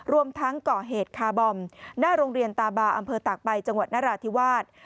รวมทั้งก่อเหตุคาร์บอมหน้าโรงเรียนตาบาอำเภอตากใบจังหวัดนราธิวาส